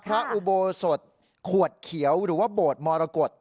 อุโบสถขวดเขียวหรือว่าโบสถ์มรกฏ